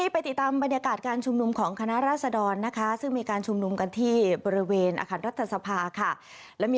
โปรดติดตามตอนต่อไป